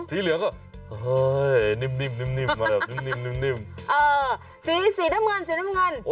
สีเหลืองก็เฮ้ยนิ่มมาแบบนิ่มสีน้ำเงินสีน้ำเงิน